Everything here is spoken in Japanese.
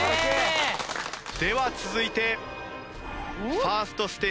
では続いてファーストステージ